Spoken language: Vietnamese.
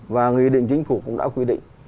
và người định chính phủ cũng đã quy định